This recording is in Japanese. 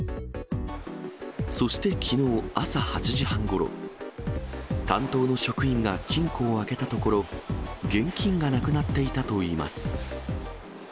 そしてきのう朝８時半ごろ、担当の職員が金庫を開けたところ、現金がなくなっていたといいます。